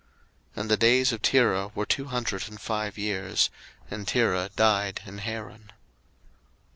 01:011:032 And the days of Terah were two hundred and five years: and Terah died in Haran.